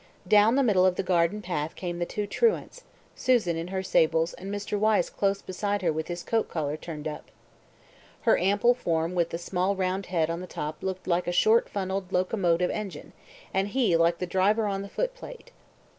Down the middle of the garden path came the two truants, Susan in her sables and Mr. Wyse close beside her with his coat collar turned up. Her ample form with the small round head on the top looked like a short funnelled locomotive engine, and he like the driver on the footplate.